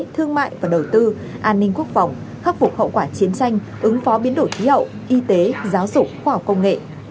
thương mại và đầu tư an ninh quốc phòng khắc phục hậu quả chiến tranh ứng phó biến đổi khí hậu y tế giáo dục khoa học công nghệ